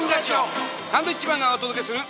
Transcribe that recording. サンドウィッチマンがお届けする。